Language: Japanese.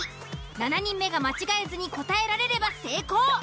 ７人目が間違えずに答えられれば成功。